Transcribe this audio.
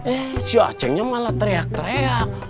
eh si acehnya malah teriak teriak